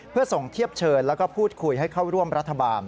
เพื่อส่งเทียบเชิญแล้วก็พูดคุยให้เข้าร่วมรัฐบาล